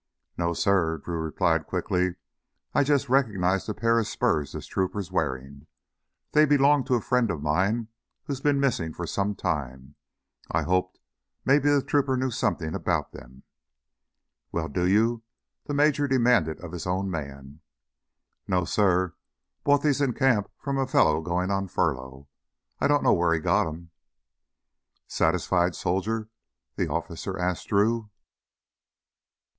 "No, suh," Drew replied quickly. "I just recognized a pair of spurs this trooper is wearin'. They belonged to a friend of mine who's been missin' for some time. I hoped maybe the trooper knew something about him." "Well, do you?" the major demanded of his own man. "No, sir. Bought these in camp from a fella goin' on furlough. I don't know where he got 'em." "Satisfied, soldier?" the officer asked Drew.